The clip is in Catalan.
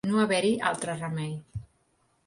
No haver-hi altre remei.